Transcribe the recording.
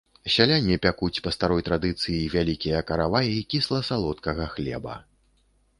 Сяляне пякуць па старой традыцыі вялікія караваі кісла-салодкага хлеба.